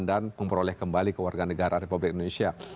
dan memperoleh kembali ke warga negara republik indonesia